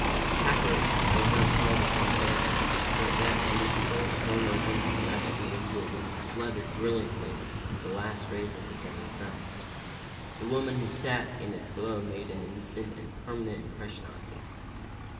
Happily, I was not called upon to answer, for at that moment the door swung open and he ushered me into a room flooded brilliantly with the last rays of the setting sun. The woman who sat in its glow made an instant and permanent impression upon me.